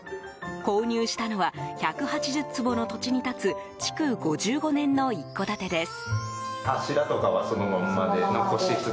購入したのは１８０坪の土地に建つ築５５年の一戸建てです。